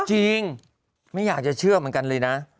จริงไม่อยากจะเชื่อเหมือนกันเลยนะ